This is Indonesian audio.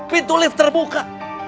pintu lift terbuka